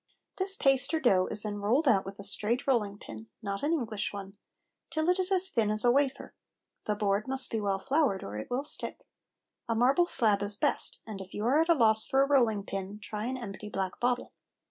This paste or dough is then rolled out with a straight rolling pin (not an English one) till it is as thin as a wafer. The board must be well floured or it will stick. A marble slab is best, and if you are at a loss for a rolling pin try an empty black bottle.